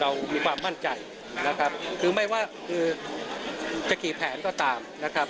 เรามีความมั่นใจนะครับคือไม่ว่าคือจะกี่แผนก็ตามนะครับ